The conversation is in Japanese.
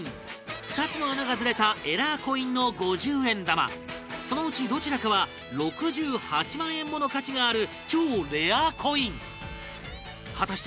２つの穴がずれたエラーコインの五十円玉そのうち、どちらかは６８万円もの価値がある超レアコイン果たして